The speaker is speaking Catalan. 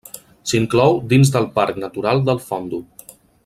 S'inclou dins del Parc Natural del Fondo.